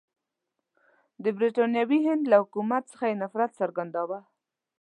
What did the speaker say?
د برټانوي هند له حکومت څخه یې نفرت څرګندوه.